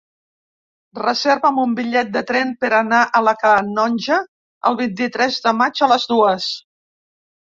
Reserva'm un bitllet de tren per anar a la Canonja el vint-i-tres de maig a les dues.